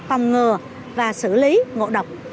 phòng ngừa và xử lý ngộ độc